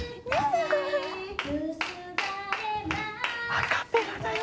アカペラだよ。